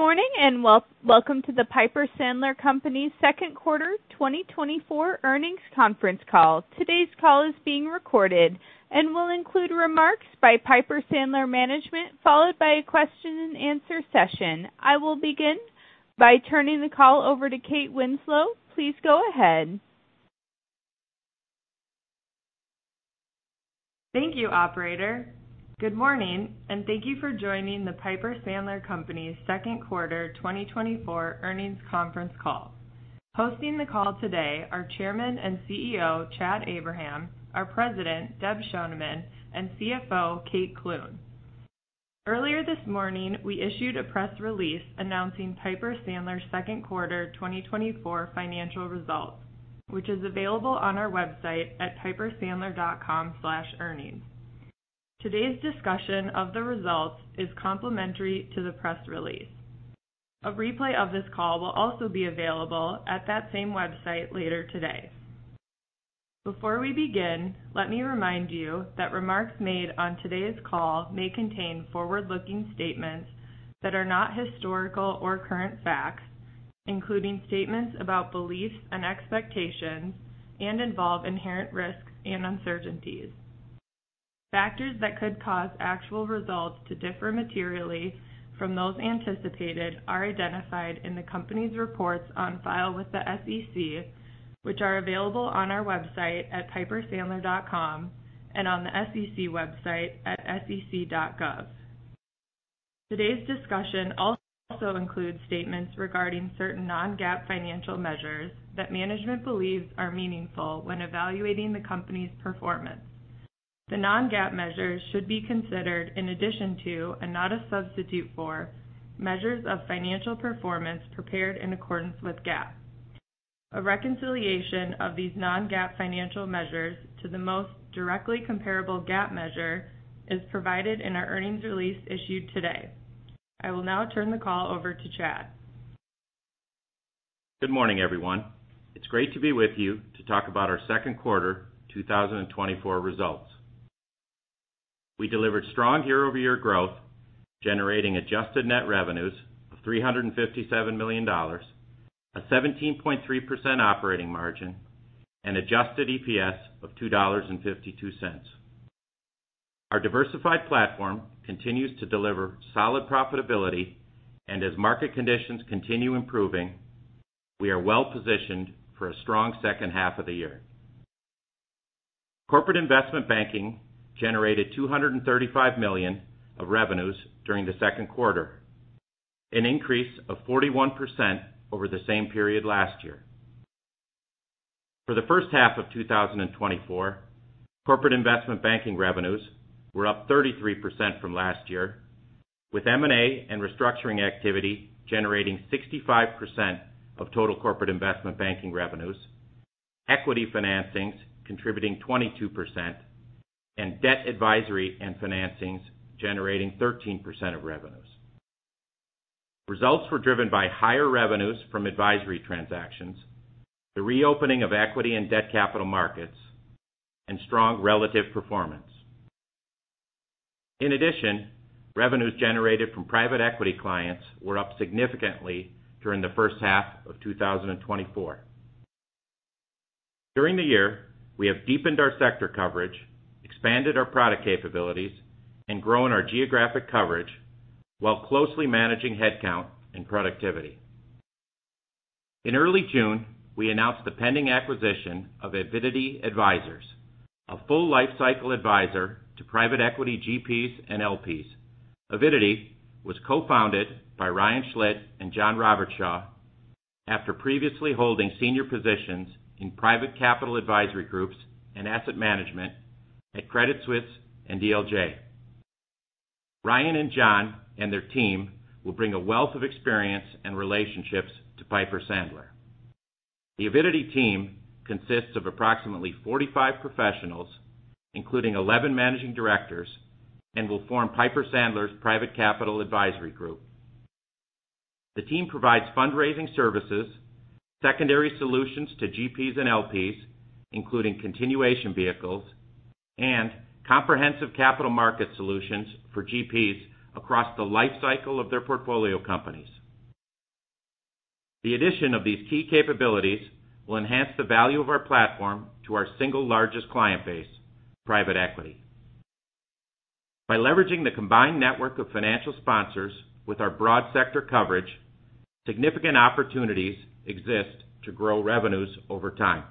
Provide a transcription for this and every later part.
Good morning and welcome to the Piper Sandler Companies' second quarter 2024 earnings conference call. Today's call is being recorded and will include remarks by Piper Sandler management, followed by a question-and-answer session. I will begin by turning the call over to Kathy Winslow. Please go ahead. Thank you, Operator. Good morning and thank you for joining the Piper Sandler Companies' second quarter 2024 earnings conference call. Hosting the call today are Chairman and CEO Chad Abraham, our President Deb Schoneman, and CFO Kate Clune. Earlier this morning, we issued a press release announcing Piper Sandler's second quarter 2024 financial results, which is available on our website at pipersandler.com/earnings. Today's discussion of the results is complementary to the press release. A replay of this call will also be available at that same website later today. Before we begin, let me remind you that remarks made on today's call may contain forward-looking statements that are not historical or current facts, including statements about beliefs and expectations and involve inherent risks and uncertainties. Factors that could cause actual results to differ materially from those anticipated are identified in the company's reports on file with the SEC, which are available on our website at pipersandler.com and on the SEC website at sec.gov. Today's discussion also includes statements regarding certain non-GAAP financial measures that management believes are meaningful when evaluating the company's performance. The non-GAAP measures should be considered in addition to, and not a substitute for, measures of financial performance prepared in accordance with GAAP. A reconciliation of these non-GAAP financial measures to the most directly comparable GAAP measure is provided in our earnings release issued today. I will now turn the call over to Chad. Good morning, everyone. It's great to be with you to talk about our second quarter 2024 results. We delivered strong year-over-year growth, generating adjusted net revenues of $357 million, a 17.3% operating margin, and adjusted EPS of $2.52. Our diversified platform continues to deliver solid profitability, and as market conditions continue improving, we are well-positioned for a strong second half of the year. Corporate investment banking generated $235 million of revenues during the second quarter, an increase of 41% over the same period last year. For the first half of 2024, corporate investment banking revenues were up 33% from last year, with M&A and restructuring activity generating 65% of total corporate investment banking revenues, equity financings contributing 22%, and debt advisory and financings generating 13% of revenues. Results were driven by higher revenues from advisory transactions, the reopening of equity and debt capital markets, and strong relative performance. In addition, revenues generated from private equity clients were up significantly during the first half of 2024. During the year, we have deepened our sector coverage, expanded our product capabilities, and grown our geographic coverage while closely managing headcount and productivity. In early June, we announced the pending acquisition of Avidity Advisors, a full-life-cycle advisor to private equity GPs and LPs. Avidity was co-founded by Ryan Schlitt and John Robertshaw after previously holding senior positions in private capital advisory groups and asset management at Credit Suisse and DLJ. Ryan and John and their team will bring a wealth of experience and relationships to Piper Sandler. The Avidity team consists of approximately 45 professionals, including 11 managing directors, and will form Piper Sandler's private capital advisory group. The team provides fundraising services, secondary solutions to GPs and LPs, including continuation vehicles, and comprehensive capital market solutions for GPs across the lifecycle of their portfolio companies. The addition of these key capabilities will enhance the value of our platform to our single largest client base, private equity. By leveraging the combined network of financial sponsors with our broad sector coverage, significant opportunities exist to grow revenues over time.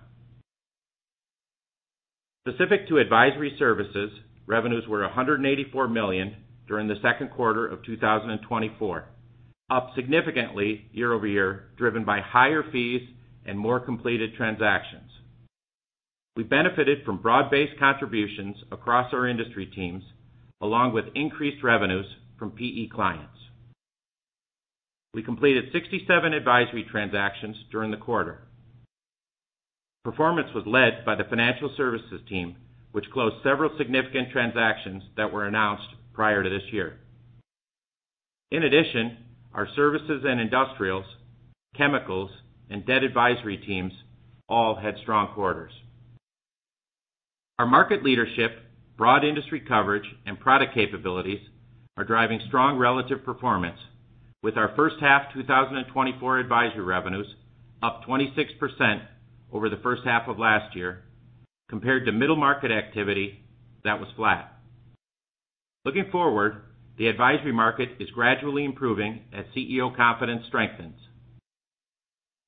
Specific to advisory services, revenues were $184 million during the second quarter of 2024, up significantly year-over-year, driven by higher fees and more completed transactions. We benefited from broad-based contributions across our industry teams, along with increased revenues from PE clients. We completed 67 advisory transactions during the quarter. Performance was led by the financial services team, which closed several significant transactions that were announced prior to this year. In addition, our services and industrials, chemicals, and debt advisory teams all had strong quarters. Our market leadership, broad industry coverage, and product capabilities are driving strong relative performance, with our first half 2024 advisory revenues up 26% over the first half of last year compared to middle market activity that was flat. Looking forward, the advisory market is gradually improving as CEO confidence strengthens.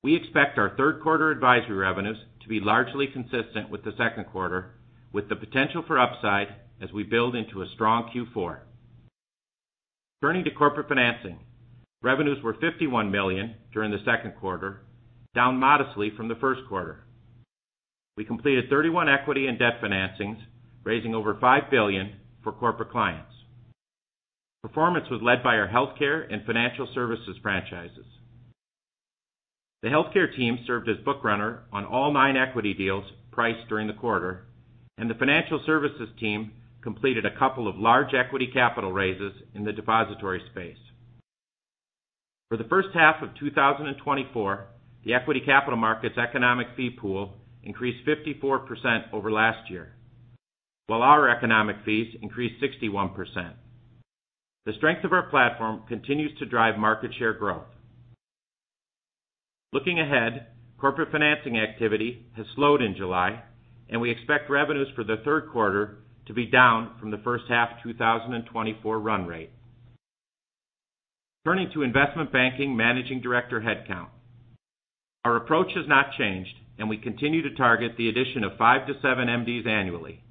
We expect our third quarter advisory revenues to be largely consistent with the second quarter, with the potential for upside as we build into a strong Q4. Turning to corporate financing, revenues were $51 million during the second quarter, down modestly from the first quarter. We completed 31 equity and debt financings, raising over $5 billion for corporate clients. Performance was led by our healthcare and financial services franchises. The healthcare team served as bookrunner on all nine equity deals priced during the quarter, and the financial services team completed a couple of large equity capital raises in the depository space. For the first half of 2024, the equity capital markets' economic fee pool increased 54% over last year, while our economic fees increased 61%. The strength of our platform continues to drive market share growth. Looking ahead, corporate financing activity has slowed in July, and we expect revenues for the third quarter to be down from the first half 2024 run rate. Turning to investment banking managing director headcount, our approach has not changed, and we continue to target the addition of five to seven MDs annually.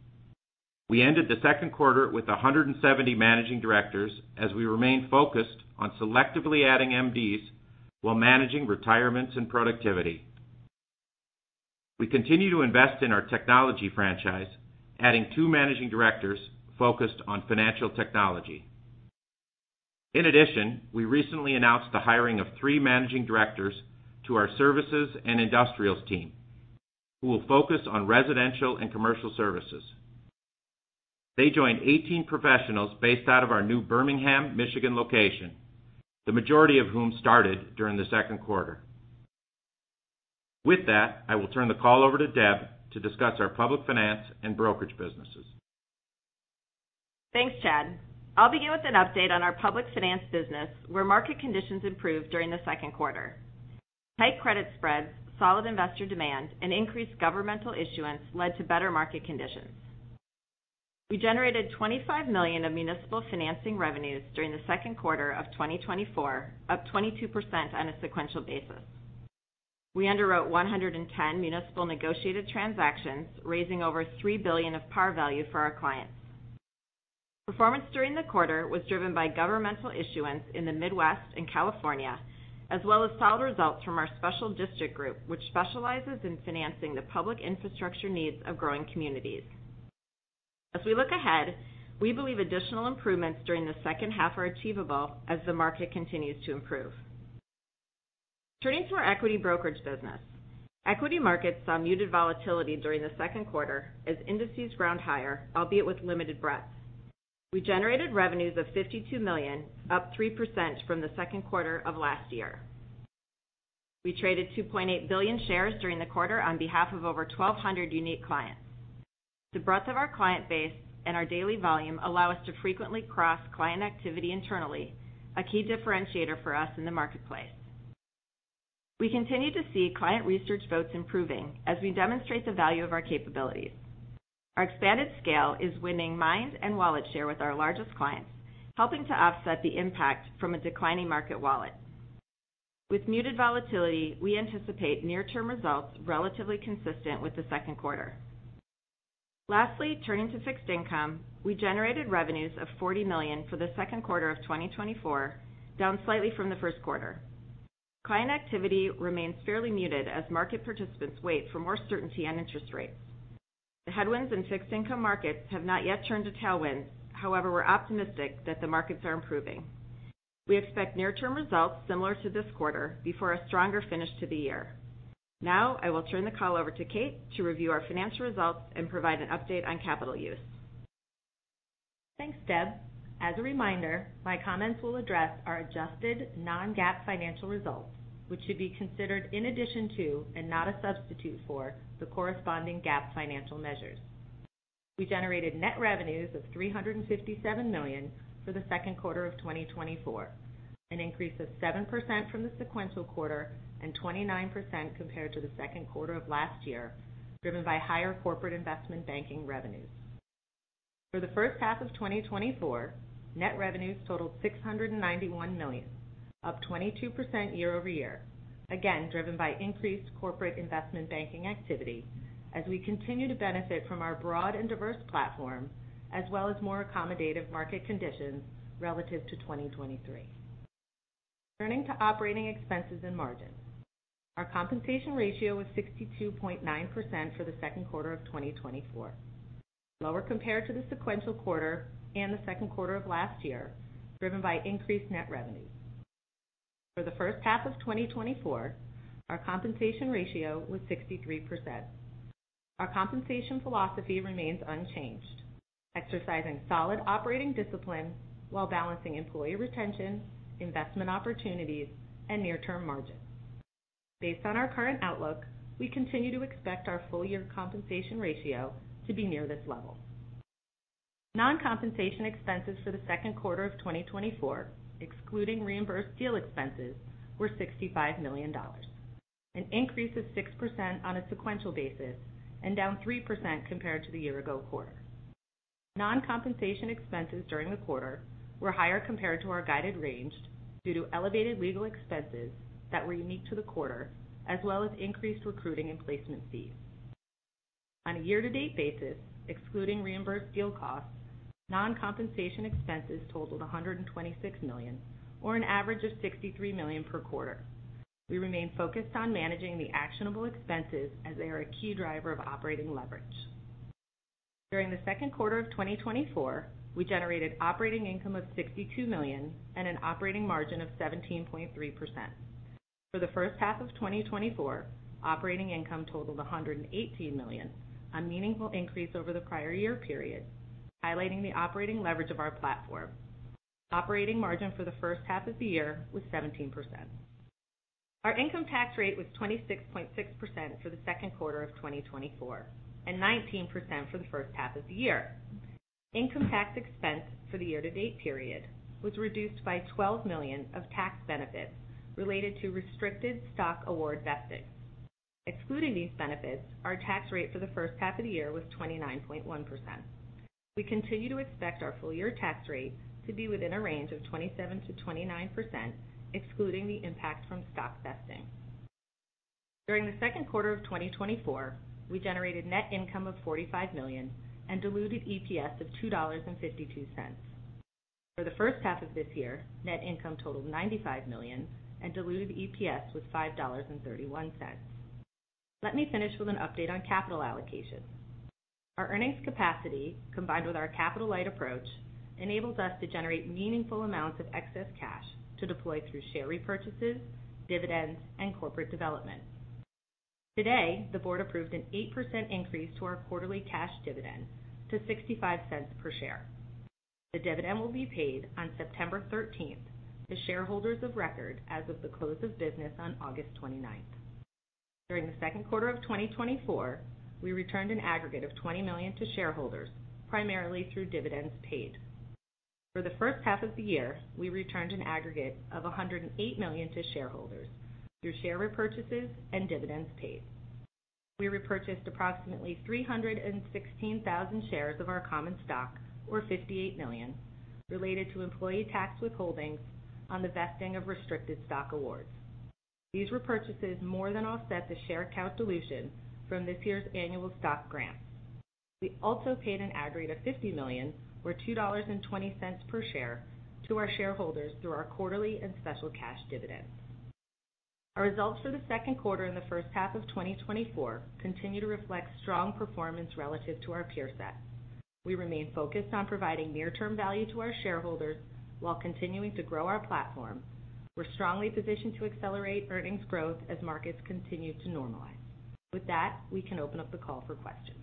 We ended the second quarter with 170 managing directors as we remain focused on selectively adding MDs while managing retirements and productivity. We continue to invest in our technology franchise, adding two managing directors focused on financial technology. In addition, we recently announced the hiring of three managing directors to our services and industrials team, who will focus on residential and commercial services. They join 18 professionals based out of our new Birmingham, Michigan location, the majority of whom started during the second quarter. With that, I will turn the call over to Deb to discuss our public finance and brokerage businesses. Thanks, Chad. I'll begin with an update on our public finance business, where market conditions improved during the second quarter. Tight credit spreads, solid investor demand, and increased governmental issuance led to better market conditions. We generated $25 million of municipal financing revenues during the second quarter of 2024, up 22% on a sequential basis. We underwrote 110 municipal negotiated transactions, raising over $3 billion of par value for our clients. Performance during the quarter was driven by governmental issuance in the Midwest and California, as well as solid results from our Special District Group, which specializes in financing the public infrastructure needs of growing communities. As we look ahead, we believe additional improvements during the second half are achievable as the market continues to improve. Turning to our equity brokerage business, equity markets saw muted volatility during the second quarter as indices ground higher, albeit with limited breadth. We generated revenues of $52 million, up 3% from the second quarter of last year. We traded $2.8 billion shares during the quarter on behalf of over 1,200 unique clients. The breadth of our client base and our daily volume allow us to frequently cross client activity internally, a key differentiator for us in the marketplace. We continue to see client research votes improving as we demonstrate the value of our capabilities. Our expanded scale is winning mind and wallet share with our largest clients, helping to offset the impact from a declining market wallet. With muted volatility, we anticipate near-term results relatively consistent with the second quarter. Lastly, turning to fixed income, we generated revenues of $40 million for the second quarter of 2024, down slightly from the first quarter. Client activity remains fairly muted as market participants wait for more certainty on interest rates. The headwinds in fixed income markets have not yet turned to tailwinds, however, we're optimistic that the markets are improving. We expect near-term results similar to this quarter before a stronger finish to the year. Now, I will turn the call over to Kate to review our financial results and provide an update on capital use. Thanks, Deb. As a reminder, my comments will address our adjusted non-GAAP financial results, which should be considered in addition to and not a substitute for the corresponding GAAP financial measures. We generated net revenues of $357 million for the second quarter of 2024, an increase of 7% from the sequential quarter and 29% compared to the second quarter of last year, driven by higher corporate investment banking revenues. For the first half of 2024, net revenues totaled $691 million, up 22% year-over-year, again driven by increased corporate investment banking activity as we continue to benefit from our broad and diverse platform as well as more accommodative market conditions relative to 2023. Turning to operating expenses and margins, our compensation ratio was 62.9% for the second quarter of 2024, lower compared to the sequential quarter and the second quarter of last year, driven by increased net revenues. For the first half of 2024, our compensation ratio was 63%. Our compensation philosophy remains unchanged, exercising solid operating discipline while balancing employee retention, investment opportunities, and near-term margins. Based on our current outlook, we continue to expect our full-year compensation ratio to be near this level. Non-compensation expenses for the second quarter of 2024, excluding reimbursed deal expenses, were $65 million, an increase of 6% on a sequential basis and down 3% compared to the year-ago quarter. Non-compensation expenses during the quarter were higher compared to our guided range due to elevated legal expenses that were unique to the quarter, as well as increased recruiting and placement fees. On a year-to-date basis, excluding reimbursed deal costs, non-compensation expenses totaled $126 million, or an average of $63 million per quarter. We remain focused on managing the actionable expenses as they are a key driver of operating leverage. During the second quarter of 2024, we generated operating income of $62 million and an operating margin of 17.3%. For the first half of 2024, operating income totaled $118 million, a meaningful increase over the prior year period, highlighting the operating leverage of our platform. Operating margin for the first half of the year was 17%. Our income tax rate was 26.6% for the second quarter of 2024 and 19% for the first half of the year. Income tax expense for the year-to-date period was reduced by $12 million of tax benefits related to restricted stock award vesting. Excluding these benefits, our tax rate for the first half of the year was 29.1%. We continue to expect our full-year tax rate to be within a range of 27%-29%, excluding the impact from stock vesting. During the second quarter of 2024, we generated net income of $45 million and diluted EPS of $2.52. For the first half of this year, net income totaled $95 million and diluted EPS was $5.31. Let me finish with an update on capital allocation. Our earnings capacity, combined with our capital-light approach, enables us to generate meaningful amounts of excess cash to deploy through share repurchases, dividends, and corporate development. Today, the Board approved an 8% increase to our quarterly cash dividend to $0.65 per share. The dividend will be paid on September 13th to shareholders of record as of the close of business on August 29th. During the second quarter of 2024, we returned an aggregate of $20 million to shareholders, primarily through dividends paid. For the first half of the year, we returned an aggregate of $108 million to shareholders through share repurchases and dividends paid. We repurchased approximately 316,000 shares of our common stock, or $58 million, related to employee tax withholdings on the vesting of restricted stock awards. These repurchases more than offset the share account dilution from this year's annual stock grants. We also paid an aggregate of $50 million, or $2.20 per share, to our shareholders through our quarterly and special cash dividends. Our results for the second quarter and the first half of 2024 continue to reflect strong performance relative to our peer set. We remain focused on providing near-term value to our shareholders while continuing to grow our platform. We're strongly positioned to accelerate earnings growth as markets continue to normalize. With that, we can open up the call for questions.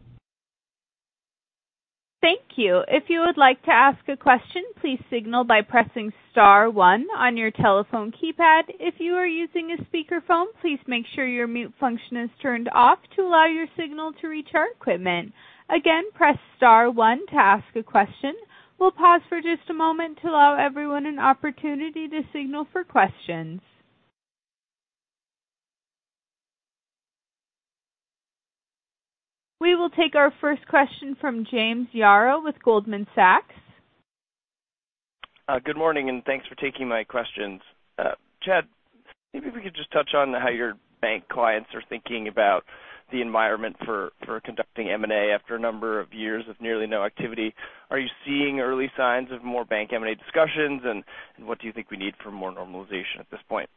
Thank you. If you would like to ask a question, please signal by pressing star one on your telephone keypad. If you are using a speakerphone, please make sure your mute function is turned off to allow your signal to reach our equipment. Again, press star one to ask a question. We'll pause for just a moment to allow everyone an opportunity to signal for questions. We will take our first question from James Yaro with Goldman Sachs. Good morning, and thanks for taking my questions. Chad, maybe if we could just touch on how your bank clients are thinking about the environment for conducting M&A after a number of years of nearly no activity. Are you seeing early signs of more bank M&A discussions, and what do you think we need for more normalization at this point?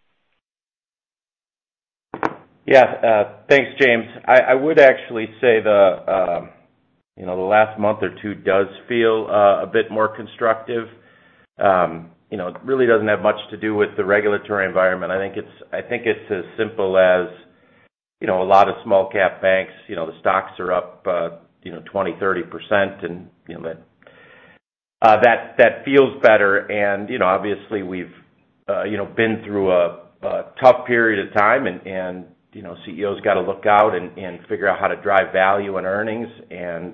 Yeah, thanks, James. I would actually say the last month or two does feel a bit more constructive. It really doesn't have much to do with the regulatory environment. I think it's as simple as a lot of small-cap banks, the stocks are up 20%, 30%, and that feels better. And obviously, we've been through a tough period of time, and CEOs got to look out and figure out how to drive value and earnings, and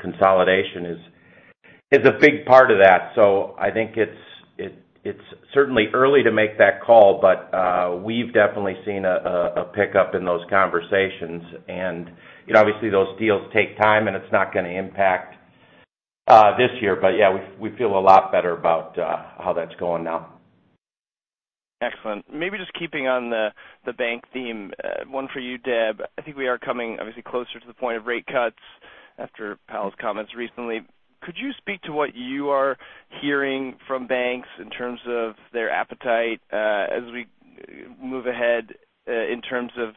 consolidation is a big part of that. So I think it's certainly early to make that call, but we've definitely seen a pickup in those conversations. And obviously, those deals take time, and it's not going to impact this year, but yeah, we feel a lot better about how that's going now. Excellent. Maybe just keeping on the bank theme, one for you, Deb. I think we are coming obviously closer to the point of rate cuts after Powell's comments recently. Could you speak to what you are hearing from banks in terms of their appetite as we move ahead in terms of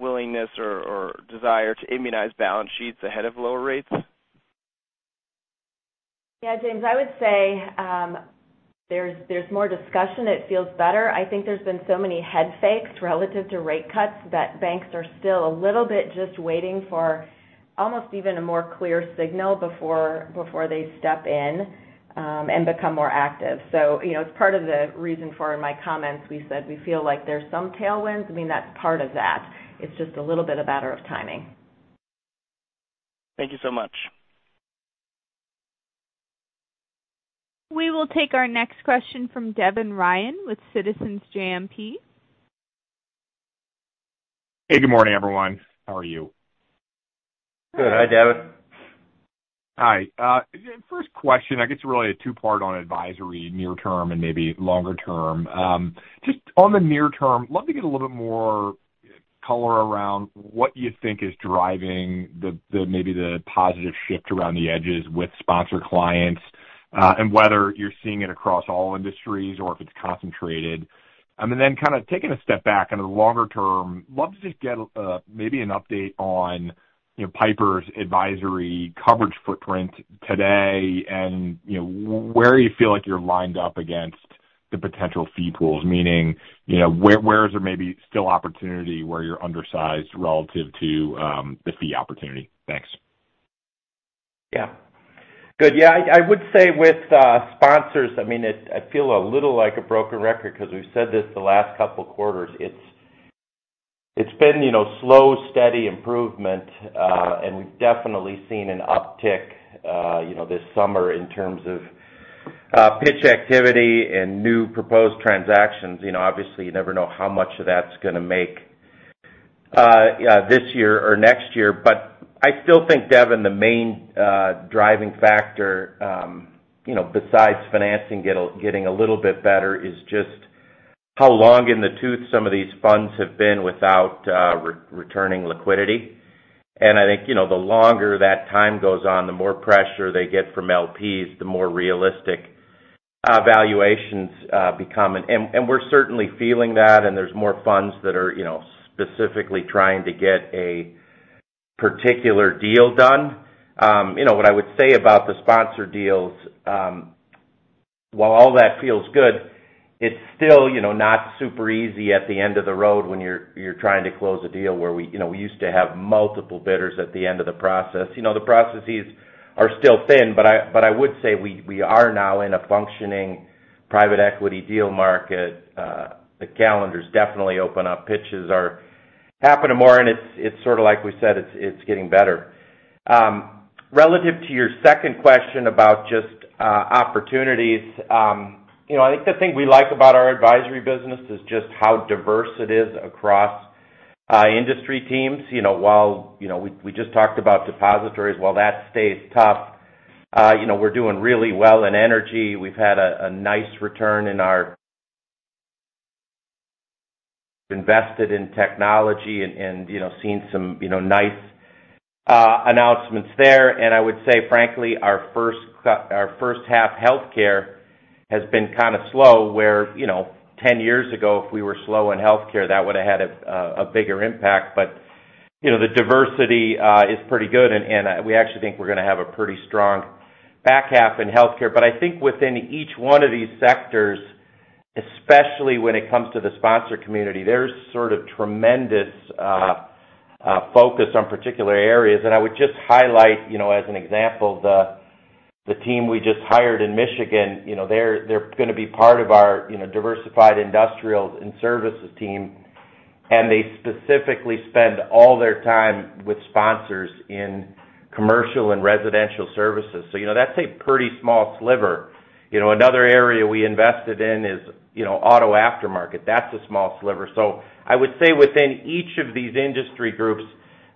willingness or desire to immunize balance sheets ahead of lower rates? Yeah, James, I would say there's more discussion. It feels better. I think there's been so many head fakes relative to rate cuts that banks are still a little bit just waiting for almost even a more clear signal before they step in and become more active. So it's part of the reason for my comments. We said we feel like there's some tailwinds. I mean, that's part of that. It's just a little bit a matter of timing. Thank you so much. We will take our next question from Devin Ryan with Citizens JMP. Hey, good morning, everyone. How are you? Good. Hi, Dev. Hi. First question, I guess really a two-part on advisory near-term and maybe longer-term. Just on the near-term, love to get a little bit more color around what you think is driving maybe the positive shift around the edges with sponsor clients and whether you're seeing it across all industries or if it's concentrated? Kind of taking a step back on the longer-term, love to just get maybe an update on Piper's advisory coverage footprint today and where you feel like you're lined up against the potential fee pools, meaning where is there maybe still opportunity where you're undersized relative to the fee opportunity? Thanks. Yeah. Good. Yeah, I would say with sponsors, I mean, I feel a little like a broken record because we've said this the last couple of quarters. It's been slow, steady improvement, and we've definitely seen an uptick this summer in terms of pitch activity and new proposed transactions. Obviously, you never know how much of that's going to make this year or next year. But I still think, Deb, and the main driving factor besides financing getting a little bit better is just how long in the tooth some of these funds have been without returning liquidity. And I think the longer that time goes on, the more pressure they get from LPs, the more realistic valuations become. And we're certainly feeling that, and there's more funds that are specifically trying to get a particular deal done. What I would say about the sponsor deals, while all that feels good, it's still not super easy at the end of the road when you're trying to close a deal where we used to have multiple bidders at the end of the process. The processes are still thin, but I would say we are now in a functioning private equity deal market. The calendars definitely open up. Pitches are happening more, and it's sort of like we said, it's getting better. Relative to your second question about just opportunities, I think the thing we like about our advisory business is just how diverse it is across industry teams. While we just talked about depositories, while that stays tough, we're doing really well in energy. We've had a nice return in our invested in technology and seen some nice announcements there. I would say, frankly, our first half healthcare has been kind of slow, where 10 years ago, if we were slow in healthcare, that would have had a bigger impact. But the diversity is pretty good, and we actually think we're going to have a pretty strong back half in healthcare. But I think within each one of these sectors, especially when it comes to the sponsor community, there's sort of tremendous focus on particular areas. And I would just highlight, as an example, the team we just hired in Michigan, they're going to be part of our diversified industrials and services team, and they specifically spend all their time with sponsors in commercial and residential services. So that's a pretty small sliver. Another area we invested in is auto aftermarket. That's a small sliver. I would say within each of these industry groups,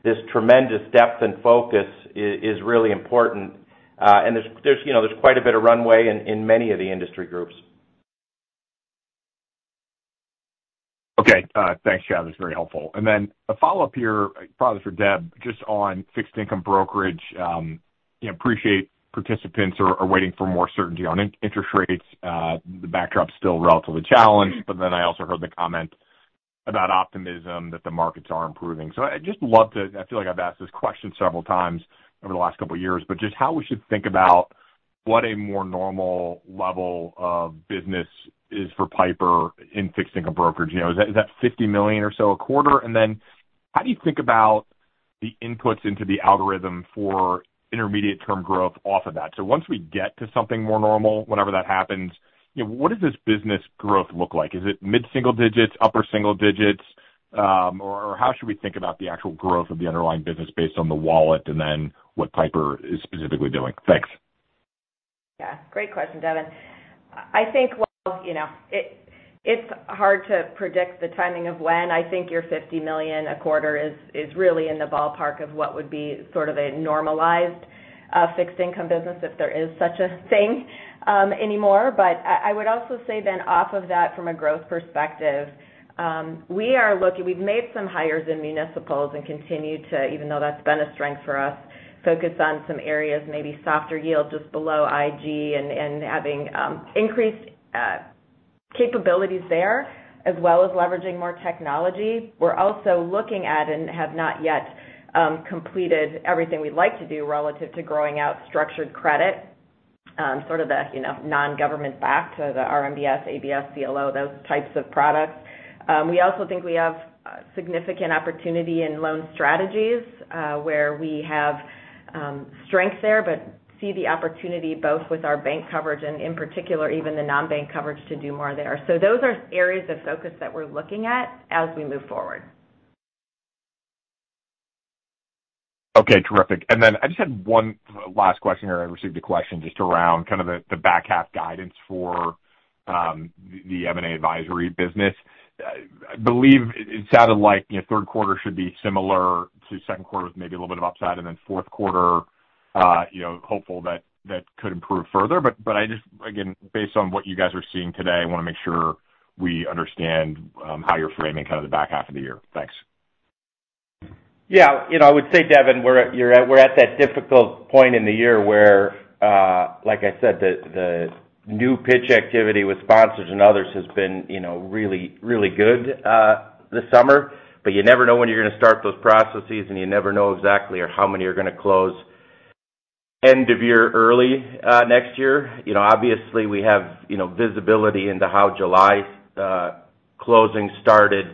this tremendous depth and focus is really important, and there's quite a bit of runway in many of the industry groups. Okay. Thanks, Chad. That's very helpful. And then a follow-up here, probably for Deb, just on fixed income brokerage. I appreciate participants are waiting for more certainty on interest rates. The backdrop's still relatively challenged, but then I also heard the comment about optimism that the markets are improving. So I just love to - I feel like I've asked this question several times over the last couple of years - but just how we should think about what a more normal level of business is for Piper in fixed income brokerage. Is that $50 million or so a quarter? And then how do you think about the inputs into the algorithm for intermediate-term growth off of that? So once we get to something more normal, whenever that happens, what does this business growth look like? Is it mid-single digits, upper single digits, or how should we think about the actual growth of the underlying business based on the wallet and then what Piper is specifically doing? Thanks. Yeah. Great question, Devin. I think while it's hard to predict the timing of when, I think your $50 million a quarter is really in the ballpark of what would be sort of a normalized fixed income business if there is such a thing anymore. But I would also say then off of that, from a growth perspective, we are looking. We've made some hires in municipals and continue to, even though that's been a strength for us, focus on some areas, maybe softer yield just below IG and having increased capabilities there as well as leveraging more technology. We're also looking at and have not yet completed everything we'd like to do relative to growing out structured credit, sort of the non-government-backed to the RMBS, ABS, CLO, those types of products. We also think we have significant opportunity in loan strategies where we have strength there but see the opportunity both with our bank coverage and, in particular, even the non-bank coverage to do more there. So those are areas of focus that we're looking at as we move forward. Okay. Terrific. And then I just had one last question here. I received a question just around kind of the back half guidance for the M&A advisory business. I believe it sounded like third quarter should be similar to second quarter with maybe a little bit of upside, and then fourth quarter, hopeful that could improve further. But I just, again, based on what you guys are seeing today, I want to make sure we understand how you're framing kind of the back half of the year. Thanks. Yeah. I would say, Devin, we're at that difficult point in the year where, like I said, the new pitch activity with sponsors and others has been really, really good this summer. But you never know when you're going to start those processes, and you never know exactly how many are going to close end of year, early next year. Obviously, we have visibility into how July's closing started.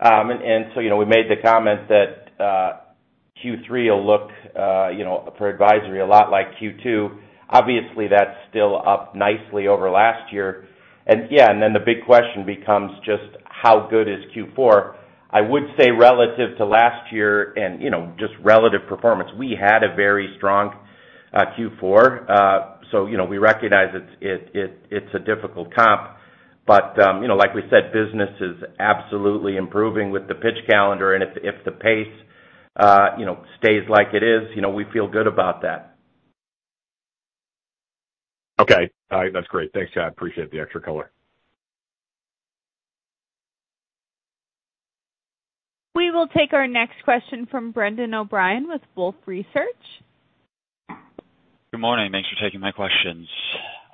And so we made the comment that Q3 will look for advisory a lot like Q2. Obviously, that's still up nicely over last year. And yeah, and then the big question becomes just how good is Q4? I would say relative to last year and just relative performance, we had a very strong Q4. So we recognize it's a difficult comp. Like we said, business is absolutely improving with the pitch calendar, and if the pace stays like it is, we feel good about that. Okay. All right. That's great. Thanks, Chad. Appreciate the extra color. We will take our next question from Brendan O'Brien with Wolfe Research. Good morning. Thanks for taking my questions.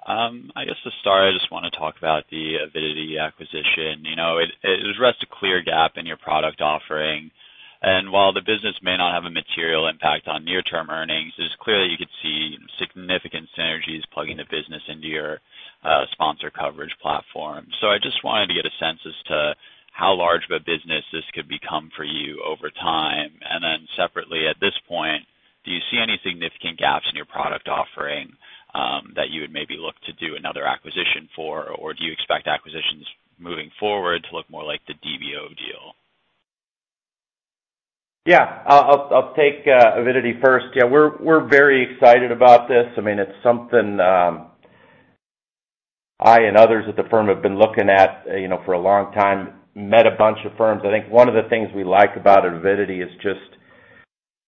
I guess to start, I just want to talk about the Avidity acquisition. It addressed a clear gap in your product offering. And while the business may not have a material impact on near-term earnings, it is clear that you could see significant synergies plugging the business into your sponsor coverage platform. So I just wanted to get a sense as to how large of a business this could become for you over time. And then separately, at this point, do you see any significant gaps in your product offering that you would maybe look to do another acquisition for, or do you expect acquisitions moving forward to look more like the DBO deal? Yeah. I'll take Avidity first. Yeah, we're very excited about this. I mean, it's something I and others at the firm have been looking at for a long time, met a bunch of firms. I think one of the things we like about Avidity is just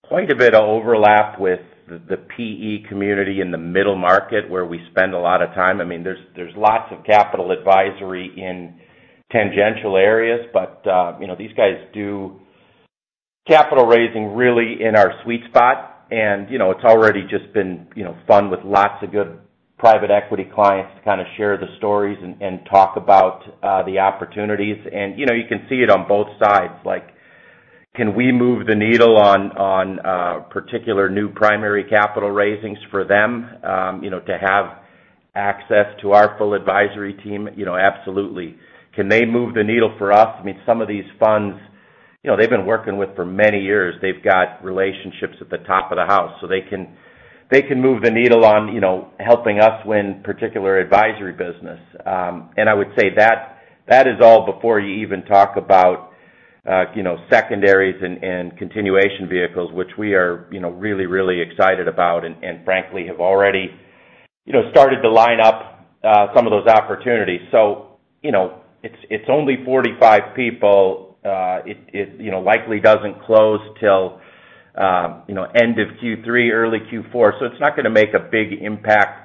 quite a bit of overlap with the PE community in the middle market where we spend a lot of time. I mean, there's lots of capital advisory in tangential areas, but these guys do capital raising really in our sweet spot. And it's already just been fun with lots of good private equity clients to kind of share the stories and talk about the opportunities. And you can see it on both sides. Can we move the needle on particular new primary capital raisings for them to have access to our full advisory team? Absolutely. Can they move the needle for us? I mean, some of these funds, they've been working with for many years. They've got relationships at the top of the house, so they can move the needle on helping us win particular advisory business. And I would say that is all before you even talk about secondaries and continuation vehicles, which we are really, really excited about and, frankly, have already started to line up some of those opportunities. So it's only 45 people. It likely doesn't close till end of Q3, early Q4. So it's not going to make a big impact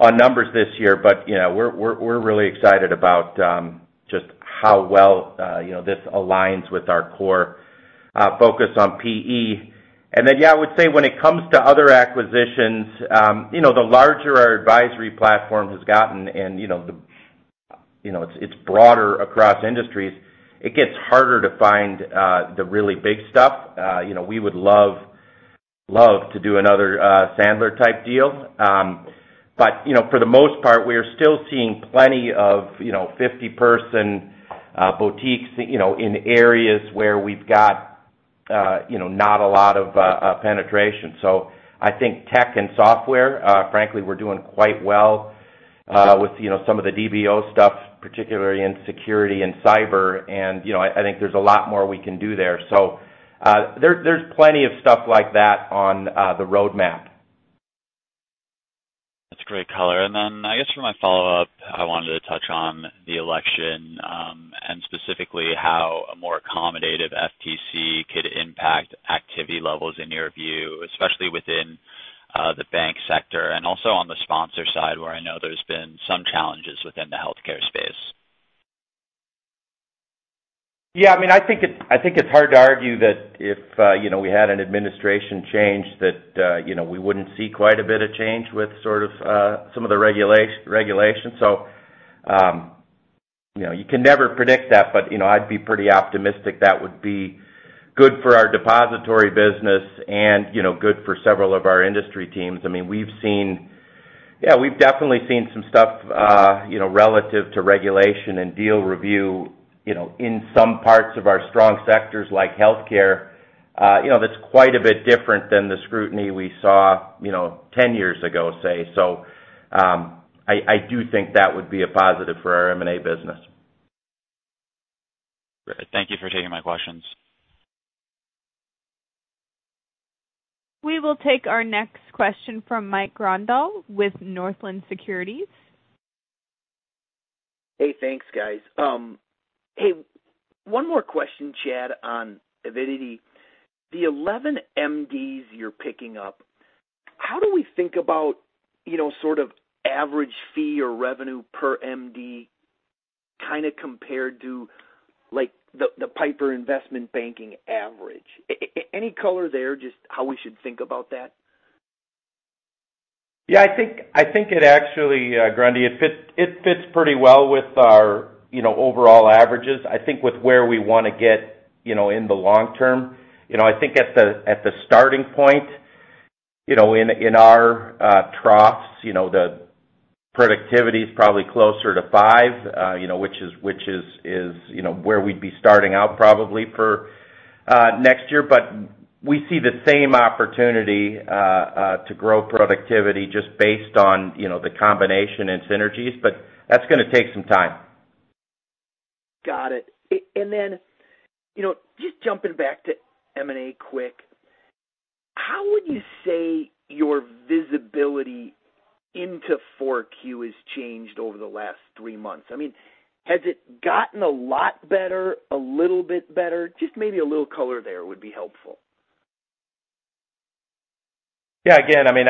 on numbers this year, but we're really excited about just how well this aligns with our core focus on PE. And then, yeah, I would say when it comes to other acquisitions, the larger our advisory platform has gotten and it's broader across industries, it gets harder to find the really big stuff. We would love to do another Sandler-type deal. But for the most part, we are still seeing plenty of 50-person boutiques in areas where we've got not a lot of penetration. So I think tech and software, frankly, we're doing quite well with some of the DBO stuff, particularly in security and cyber. And I think there's a lot more we can do there. So there's plenty of stuff like that on the roadmap. That's great color. And then I guess for my follow-up, I wanted to touch on the election and specifically how a more accommodative FTC could impact activity levels in your view, especially within the bank sector and also on the sponsor side where I know there's been some challenges within the healthcare space. Yeah. I mean, I think it's hard to argue that if we had an administration change, that we wouldn't see quite a bit of change with sort of some of the regulations. So you can never predict that, but I'd be pretty optimistic that would be good for our depository business and good for several of our industry teams. I mean, yeah, we've definitely seen some stuff relative to regulation and deal review in some parts of our strong sectors like healthcare. That's quite a bit different than the scrutiny we saw 10 years ago, say. So I do think that would be a positive for our M&A business. Great. Thank you for taking my questions. We will take our next question from Mike Grondahl with Northland Securities. Hey, thanks, guys. Hey, one more question, Chad, on Avidity. The 11 MDs you're picking up, how do we think about sort of average fee or revenue per MD kind of compared to the Piper investment banking average? Any color there, just how we should think about that? Yeah. I think it actually, Grondahl, it fits pretty well with our overall averages, I think, with where we want to get in the long term. I think at the starting point in our troughs, the productivity is probably closer to five, which is where we'd be starting out probably for next year. But we see the same opportunity to grow productivity just based on the combination and synergies, but that's going to take some time. Got it. Then just jumping back to M&A quick, how would you say your visibility into 4Q has changed over the last three months? I mean, has it gotten a lot better, a little bit better? Just maybe a little color there would be helpful. Yeah. Again, I mean,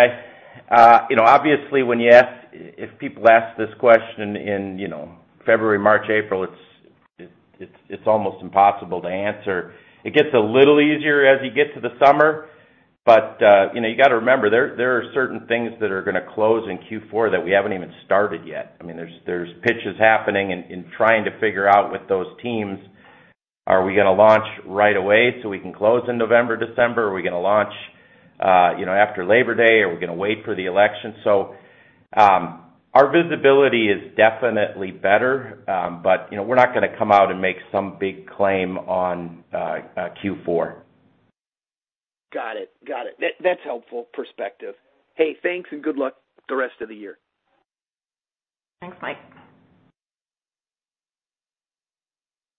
obviously, when you ask if people ask this question in February, March, April, it's almost impossible to answer. It gets a little easier as you get to the summer, but you got to remember there are certain things that are going to close in Q4 that we haven't even started yet. I mean, there's pitches happening and trying to figure out with those teams, are we going to launch right away so we can close in November, December? Are we going to launch after Labor Day? Are we going to wait for the election? So our visibility is definitely better, but we're not going to come out and make some big claim on Q4. Got it. Got it. That's helpful perspective. Hey, thanks and good luck the rest of the year. Thanks, Mike.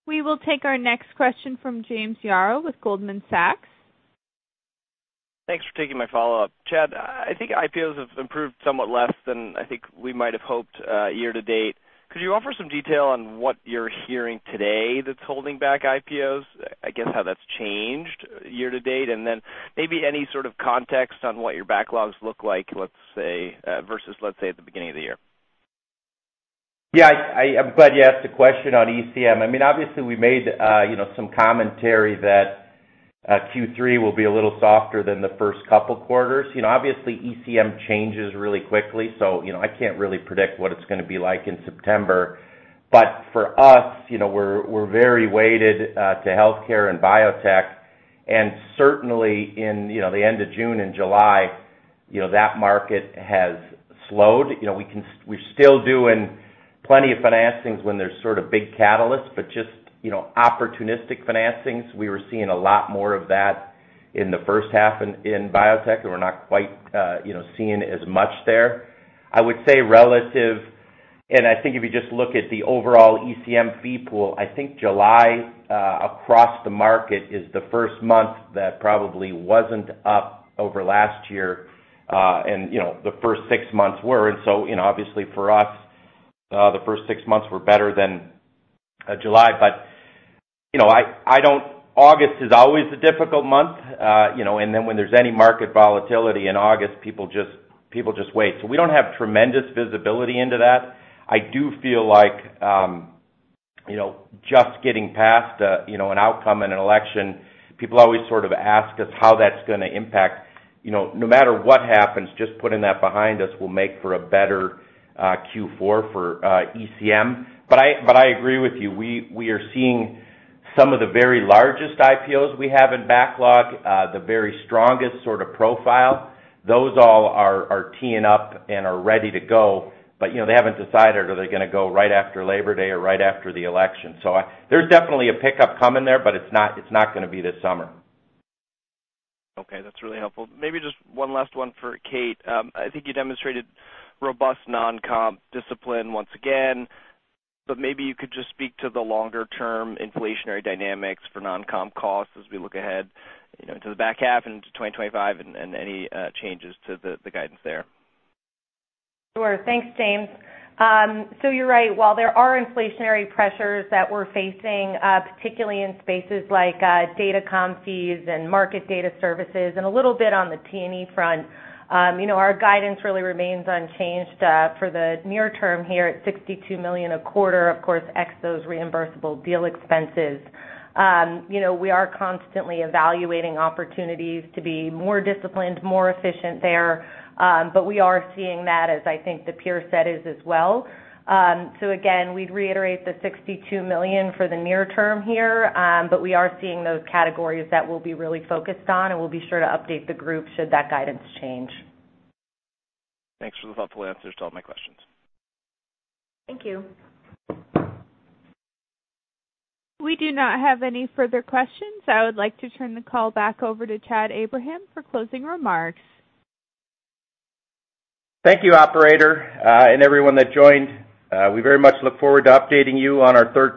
We will take our next question from James Yaro with Goldman Sachs. Thanks for taking my follow-up. Chad, I think IPOs have improved somewhat less than I think we might have hoped year to date. Could you offer some detail on what you're hearing today that's holding back IPOs, I guess how that's changed year to date, and then maybe any sort of context on what your backlogs look like, let's say, versus let's say at the beginning of the year? Yeah. I'm glad you asked the question on ECM. I mean, obviously, we made some commentary that Q3 will be a little softer than the first couple quarters. Obviously, ECM changes really quickly, so I can't really predict what it's going to be like in September. But for us, we're very weighted to healthcare and biotech. And certainly, in the end of June and July, that market has slowed. We're still doing plenty of financings when there's sort of big catalysts, but just opportunistic financings. We were seeing a lot more of that in the first half in biotech. We're not quite seeing as much there. I would say relative, and I think if you just look at the overall ECM fee pool, I think July across the market is the first month that probably wasn't up over last year, and the first six months were. And so obviously, for us, the first six months were better than July. But August is always a difficult month. And then when there's any market volatility in August, people just wait. So we don't have tremendous visibility into that. I do feel like just getting past an outcome in an election, people always sort of ask us how that's going to impact. No matter what happens, just putting that behind us will make for a better Q4 for ECM. But I agree with you. We are seeing some of the very largest IPOs we have in backlog, the very strongest sort of profile. Those all are teeing up and are ready to go, but they haven't decided, are they going to go right after Labor Day or right after the election. So there's definitely a pickup coming there, but it's not going to be this summer. Okay. That's really helpful. Maybe just one last one for Kate. I think you demonstrated robust non-comp discipline once again, but maybe you could just speak to the longer-term inflationary dynamics for non-comp costs as we look ahead into the back half and into 2025 and any changes to the guidance there. Sure. Thanks, James. So you're right. While there are inflationary pressures that we're facing, particularly in spaces like data comp fees and market data services and a little bit on the T&E front, our guidance really remains unchanged for the near term here at $62 million a quarter, of course, ex those reimbursable deal expenses. We are constantly evaluating opportunities to be more disciplined, more efficient there, but we are seeing that, as I think the peer said, is as well. So again, we'd reiterate the $62 million for the near term here, but we are seeing those categories that we'll be really focused on, and we'll be sure to update the group should that guidance change. Thanks for the thoughtful answers to all my questions. Thank you. We do not have any further questions. I would like to turn the call back over to Chad Abraham for closing remarks. Thank you, Operator, and everyone that joined. We very much look forward to updating you on our third.